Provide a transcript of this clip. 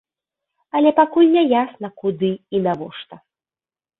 Але пакуль не ясна куды і навошта.